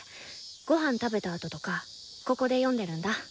ごはん食べたあととかここで読んでるんだ。